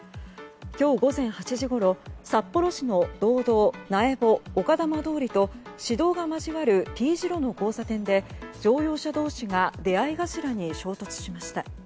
今日午前８時ごろ札幌市の道道、苗穂丘珠通と市道が交わるＴ字路の交差点で乗用車同士が出合い頭に衝突しました。